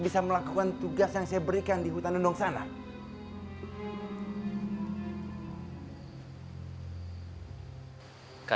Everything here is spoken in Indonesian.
iya kang tidak seperti biasanya